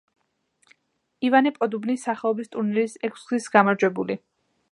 ივანე პოდუბნის სახელობის ტურნირის ექვსგზის გამარჯვებული.